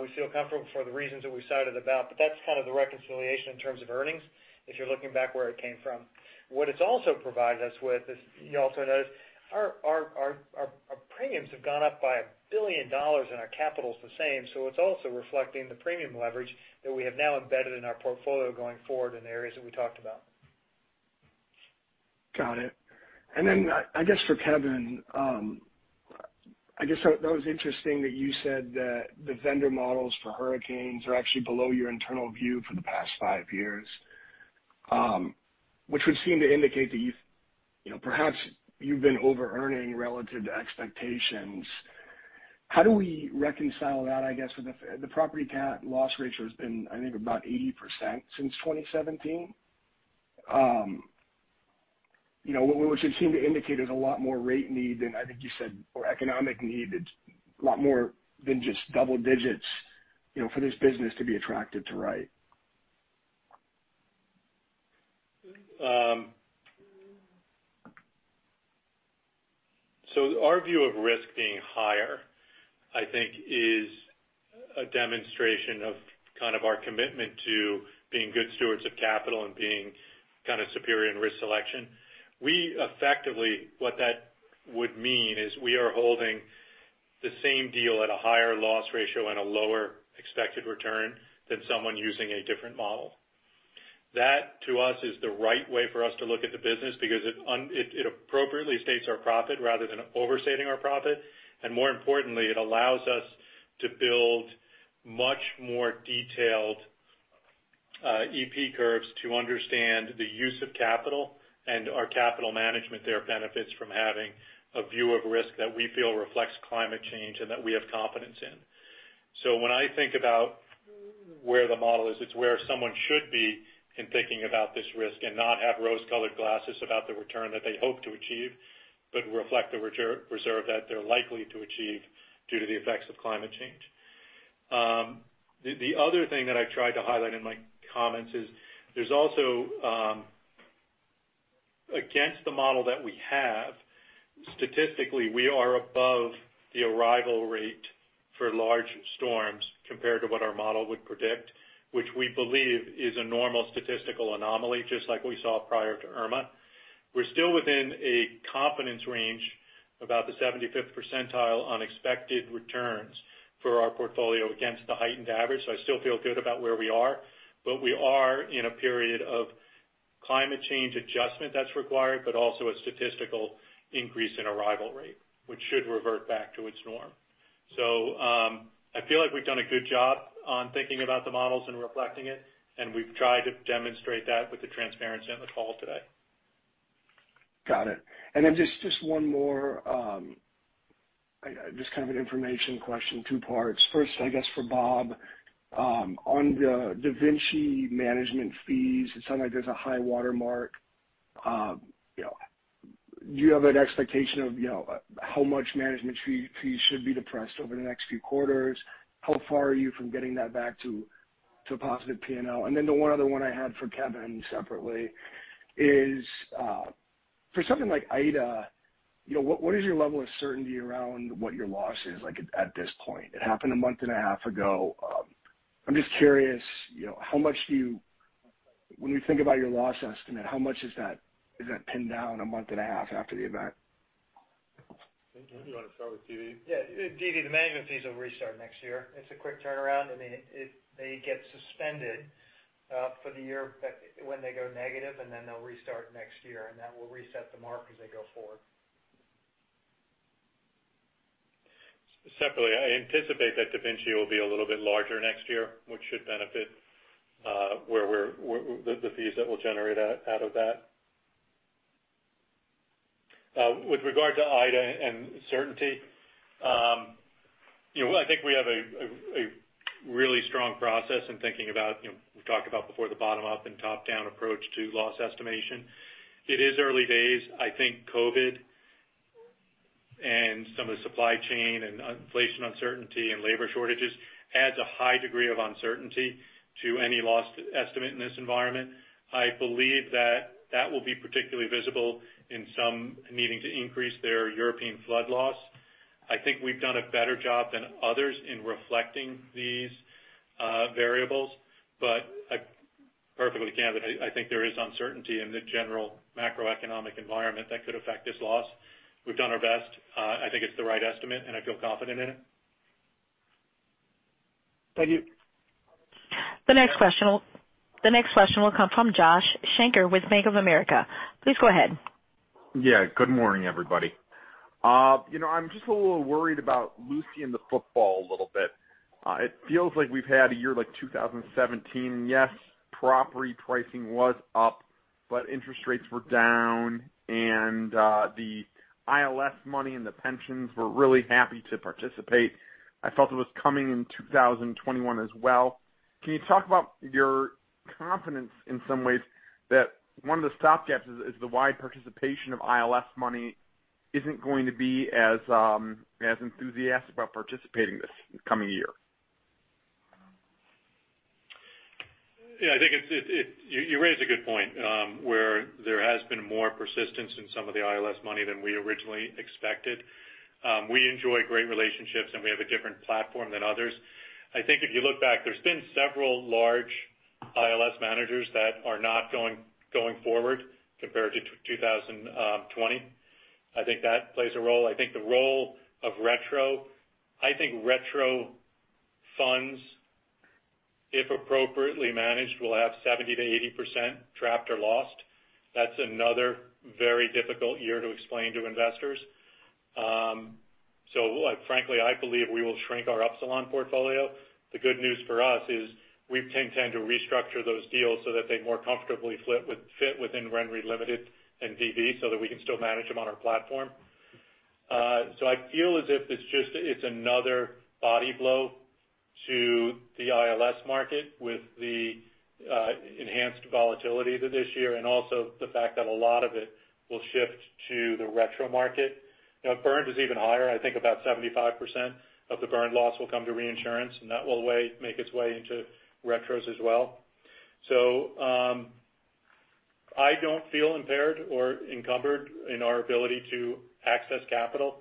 We feel comfortable for the reasons that we cited about, but that's kind of the reconciliation in terms of earnings if you're looking back where it came from. What it's also provided us with is, you also notice our premiums have gone up by $1 billion and our capital is the same. It's also reflecting the premium leverage that we have now embedded in our portfolio going forward in the areas that we talked about. Got it. I guess for Kevin, I guess that was interesting that you said that the vendor models for hurricanes are actually below your internal view for the past five years, which would seem to indicate that you've, you know, perhaps you've been overearning relative to expectations. How do we reconcile that, I guess, with the property cat loss ratio has been, I think, about 80% since 2017. You know, which would seem to indicate there's a lot more rate need than I think you said, or economic need. It's a lot more than just double digits, you know, for this business to be attractive to write. Our view of risk being higher, I think, is a demonstration of kind of our commitment to being good stewards of capital and being kind of superior in risk selection. We effectively, what that would mean is we are holding the same deal at a higher loss ratio and a lower expected return than someone using a different model. That, to us, is the right way for us to look at the business because it appropriately states our profit rather than overstating our profit. More importantly, it allows us to build much more detailed EP curves to understand the use of capital and our capital management there benefits from having a view of risk that we feel reflects climate change and that we have confidence in. When I think about where the model is, it's where someone should be in thinking about this risk and not have rose-colored glasses about the return that they hope to achieve, but reflect the return that they're likely to achieve due to the effects of climate change. The other thing that I tried to highlight in my comments is there's also against the model that we have, statistically, we are above the arrival rate for large storms compared to what our model would predict, which we believe is a normal statistical anomaly, just like we saw prior to Irma. We're still within a confidence range about the 75th percentile on expected returns for our portfolio against the heightened average. I still feel good about where we are, but we are in a period of climate change adjustment that's required, but also a statistical increase in arrival rate, which should revert back to its norm. I feel like we've done a good job on thinking about the models and reflecting it, and we've tried to demonstrate that with the transparency on the call today. Got it. Just one more, just kind of an information question, two parts. First, I guess for Bob, on the DaVinci management fees, it sounds like there's a high watermark. You know, do you have an expectation of, you know, how much management fee should be depressed over the next few quarters? How far are you from getting that back to a positive P&L? The one other one I had for Kevin separately is, for something like Ida, you know, what is your level of certainty around what your loss is like at this point? It happened a month and a half ago. I'm just curious, you know, how much do you when you think about your loss estimate, how much is that pinned down a month and a half after the event? Do you want to start with DaVinci? Yeah. DaVinci, the management fees will restart next year. It's a quick turnaround, and they get suspended for the year when they go negative, and then they'll restart next year, and that will reset the mark as they go forward. Separately, I anticipate that DaVinci will be a little bit larger next year, which should benefit where the fees that we'll generate out of that. With regard to Ida and uncertainty, you know, I think we have a really strong process in thinking about, you know, we've talked about before the bottom-up and top-down approach to loss estimation. It is early days. I think COVID and some of the supply chain and inflation uncertainty and labor shortages adds a high degree of uncertainty to any loss estimate in this environment. I believe that that will be particularly visible in some needing to increase their European flood loss. I think we've done a better job than others in reflecting these variables. I think there is uncertainty in the general macroeconomic environment that could affect this loss. We've done our best. I think it's the right estimate, and I feel confident in it. Thank you. The next question will come from Josh Shanker with Bank of America. Please go ahead. Yeah, good morning, everybody. You know, I'm just a little worried about Lucy and the football a little bit. It feels like we've had a year like 2017. Yes, property pricing was up, but interest rates were down, and the ILS money and the pensions were really happy to participate. I felt it was coming in 2021 as well. Can you talk about your confidence in some ways that one of the stopgaps is the wide participation of ILS money isn't going to be as enthusiastic about participating this coming year. I think it—You raise a good point, where there has been more persistence in some of the ILS money than we originally expected. We enjoy great relationships, and we have a different platform than others. I think if you look back, there's been several large ILS managers that are not going forward compared to 2020. I think that plays a role. I think the role of retro funds, if appropriately managed, will have 70%-80% trapped or lost. That's another very difficult year to explain to investors. Look, frankly, I believe we will shrink our Upsilon portfolio. The good news for us is we've tend to restructure those deals so that they more comfortably fit within RenRe Limited and DV, so that we can still manage them on our platform. I feel as if it's just another body blow to the ILS market with the enhanced volatility of this year and also the fact that a lot of it will shift to the retro market. You know, Bernd is even higher. I think about 75% of the Bernd loss will come to reinsurance, and that will make its way into retros as well. I don't feel impaired or encumbered in our ability to access capital,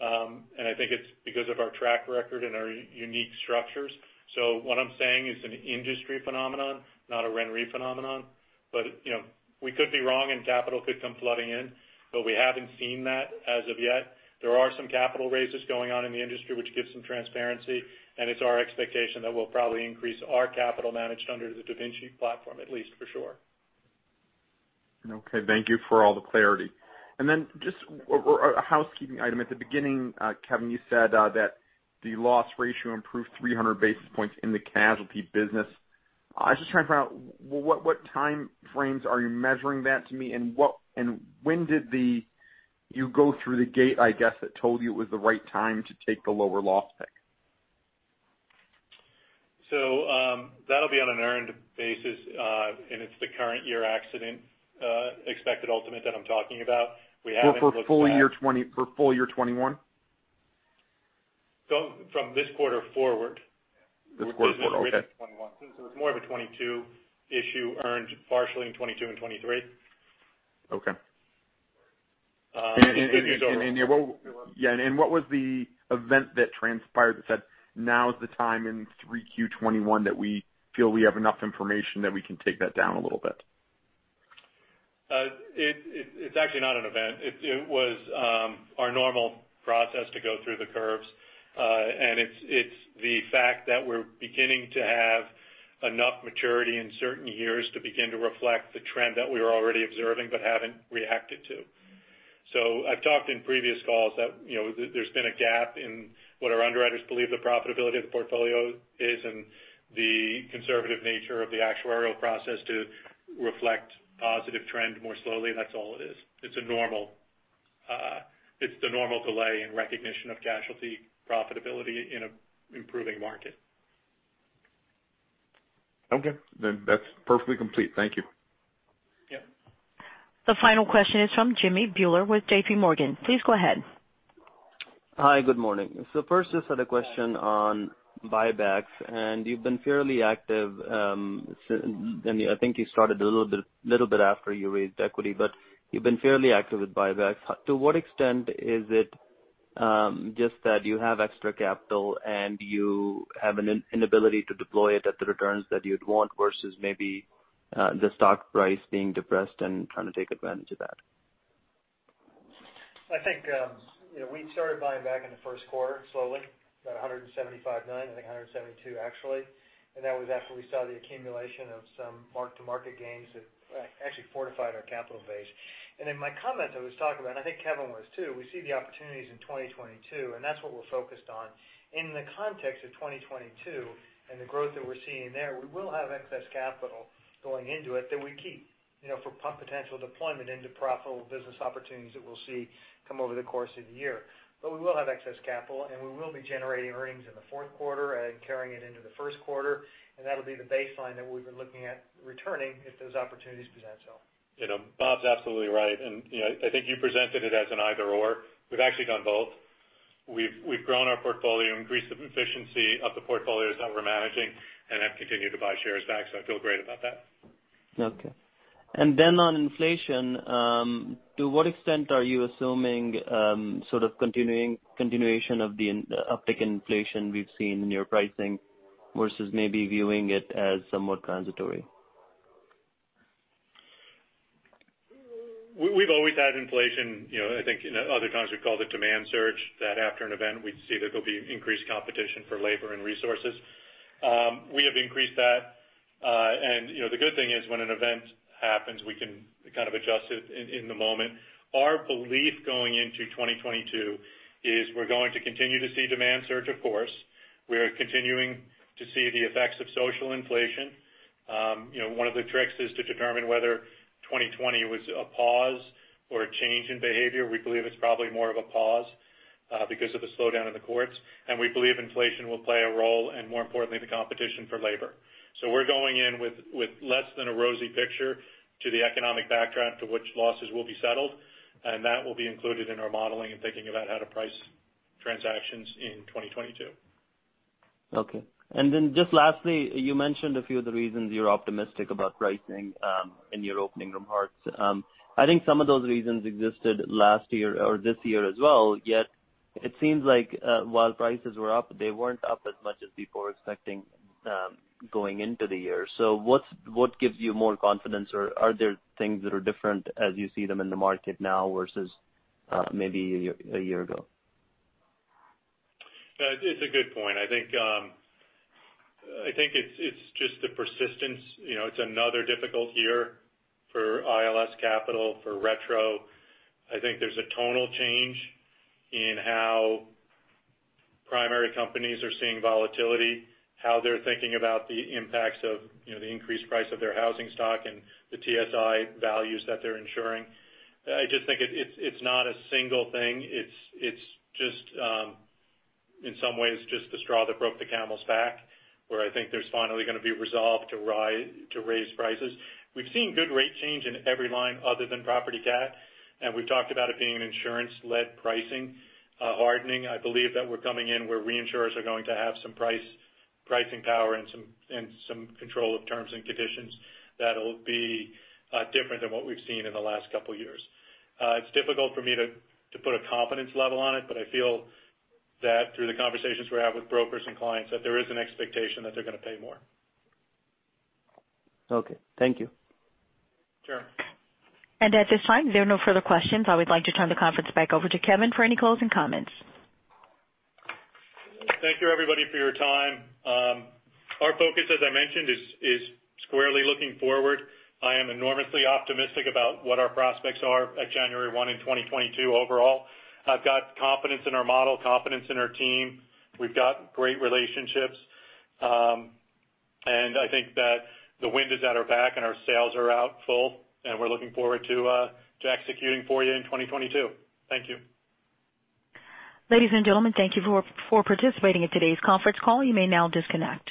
and I think it's because of our track record and our unique structures. What I'm saying is an industry phenomenon, not a RenRe phenomenon. You know, we could be wrong and capital could come flooding in, but we haven't seen that as of yet. There are some capital raises going on in the industry which gives some transparency, and it's our expectation that we'll probably increase our capital managed under the DaVinci platform, at least for sure. Okay. Thank you for all the clarity. Just a housekeeping item. At the beginning, Kevin, you said that the loss ratio improved 300 basis points in the casualty business. I was just trying to find out what time frames are you measuring that to me, and when did you go through the gate, I guess, that told you it was the right time to take the lower loss pick? That'll be on an earned basis, and it's the current year accident, expected ultimate that I'm talking about. We haven't looked at- For full year 2021? From this quarter forward. This quarter forward. Okay. It's more of a 2022 issue earned partially in 2022 and 2023. Okay. I think it's over. Yeah, what was the event that transpired that said, now is the time in 3Q21 that we feel we have enough information that we can take that down a little bit? It's actually not an event. It was our normal process to go through the curves. It's the fact that we're beginning to have enough maturity in certain years to begin to reflect the trend that we were already observing, but haven't reacted to. I've talked in previous calls that, you know, there's been a gap in what our underwriters believe the profitability of the portfolio is and the conservative nature of the actuarial process to reflect positive trend more slowly. That's all it is. It's the normal delay in recognition of casualty profitability in an improving market. Okay. That's perfectly complete. Thank you. Yeah. The final question is from Jimmy Bhullar with JPMorgan. Please go ahead. Hi, good morning. First, just had a question on buybacks, and you've been fairly active, and I think you started a little bit after you raised equity, but you've been fairly active with buybacks. To what extent is it just that you have extra capital and you have an inability to deploy it at the returns that you'd want versus maybe the stock price being depressed and trying to take advantage of that? I think, you know, we started buying back in the first quarter slowly, about $175 million, I think $172 million actually. That was after we saw the accumulation of some mark-to-market gains that actually fortified our capital base. In my comment, I was talking about, I think Kevin was too, we see the opportunities in 2022, and that's what we're focused on. In the context of 2022 and the growth that we're seeing there, we will have excess capital going into it that we keep, you know, for potential deployment into profitable business opportunities that we'll see come over the course of the year. We will have excess capital, and we will be generating earnings in the fourth quarter and carrying it into the first quarter. That'll be the baseline that we've been looking at returning if those opportunities present themselves. You know, Bob's absolutely right. You know, I think you presented it as an either/or. We've actually done both. We've grown our portfolio, increased the efficiency of the portfolios that we're managing, and have continued to buy shares back. I feel great about that. Okay. On inflation, to what extent are you assuming sort of continuation of the uptick in inflation we've seen in your pricing versus maybe viewing it as somewhat transitory? We've always had inflation, you know. I think in other times we call the demand surge that after an event we'd see that there'll be increased competition for labor and resources. We have increased that. You know, the good thing is when an event happens, we can kind of adjust it in the moment. Our belief going into 2022 is we're going to continue to see demand surge, of course. We are continuing to see the effects of social inflation. You know, one of the tricks is to determine whether 2020 was a pause or a change in behavior. We believe it's probably more of a pause because of the slowdown in the courts. We believe inflation will play a role, and more importantly, the competition for labor. We're going in with less than a rosy picture to the economic backdrop to which losses will be settled, and that will be included in our modeling and thinking about how to price transactions in 2022. Okay. Just lastly, you mentioned a few of the reasons you're optimistic about pricing in your opening remarks. I think some of those reasons existed last year or this year as well. Yet it seems like, while prices were up, they weren't up as much as people were expecting, going into the year. What gives you more confidence or are there things that are different as you see them in the market now versus, maybe a year ago? Yeah. It's a good point. I think it's just the persistence. You know, it's another difficult year for ILS capital, for retro. I think there's a tonal change in how primary companies are seeing volatility, how they're thinking about the impacts of, you know, the increased price of their housing stock and the TSI values that they're insuring. I just think it's not a single thing. It's just in some ways just the straw that broke the camel's back, where I think there's finally gonna be resolve to raise prices. We've seen good rate change in every line other than property cat, and we've talked about it being an insurance-led pricing hardening. I believe that we're coming in where reinsurers are going to have some pricing power and some control of terms and conditions that'll be different than what we've seen in the last couple years. It's difficult for me to put a confidence level on it, but I feel that through the conversations we have with brokers and clients, that there is an expectation that they're gonna pay more. Okay. Thank you. Sure. At this time, there are no further questions. I would like to turn the conference back over to Kevin for any closing comments. Thank you, everybody, for your time. Our focus, as I mentioned, is squarely looking forward. I am enormously optimistic about what our prospects are at January 1, 2022 overall. I've got confidence in our model, confidence in our team. We've got great relationships. I think that the wind is at our back and our sails are out full, and we're looking forward to executing for you in 2022. Thank you. Ladies and gentlemen, thank you for participating in today's conference call. You may now disconnect.